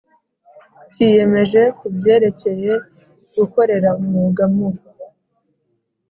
Cyiyemeje ku byerekeye gukorera umwuga mu